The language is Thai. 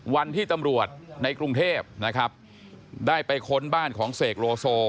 วันที่ตำรวจในกรุงเทพนะครับได้ไปค้นบ้านของเสกโลโซ